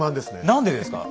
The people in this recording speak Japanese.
何でですか。